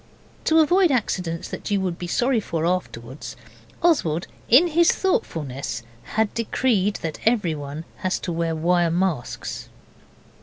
To avoid accidents that you would be sorry for afterwards, Oswald, in his thoughtfulness, had decreed that everyone was to wear wire masks.